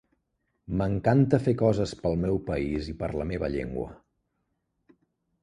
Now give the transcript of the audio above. M'encanta fer coses pel meu país i per la meva llengua.